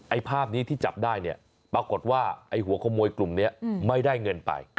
ภาพนี้ที่จับได้เนี่ยปรากฏว่าไอ้หัวขโมยกลุ่มนี้ไม่ได้เงินไป